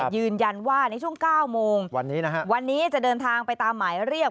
ยืนยันว่าในช่วง๙โมงวันนี้นะฮะวันนี้จะเดินทางไปตามหมายเรียก